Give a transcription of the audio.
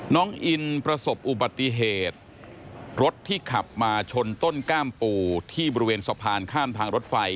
น้องอินประสบอุบัติเหตุรถที่ขับมาชนต้นกล้ามปู่ที่บริเวณสะพานข้ามทางรถไฟ